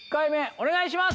お願いします。